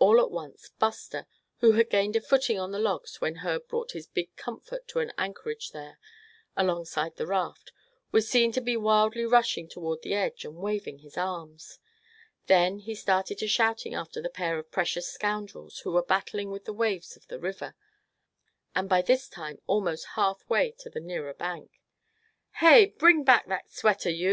All at once Buster, who had gained a footing on the logs when Herb brought his big Comfort to an anchorage there, alongside the raft, was seen to be wildly rushing toward the edge, and waving his arms. Then he started to shouting after the pair of precious scoundrels who were battling with the waves of the river, and by this time almost half way to the nearer bank. "Hey, bring back that sweater, you!